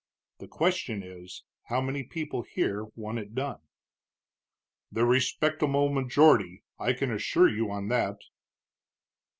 The question is, how many people here want it done?" "The respectable majority, I can assure you on that."